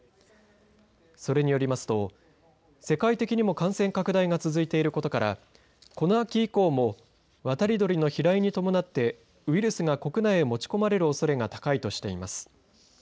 それによりますと世界的にも感染拡大が続いていることからこの秋以降も渡り鳥の飛来に伴ってウイルスが国内へ持ち込まれる可能性が高いとしています。